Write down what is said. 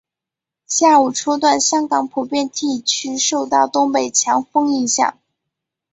下午初段香港普遍地区受到东北强风影响。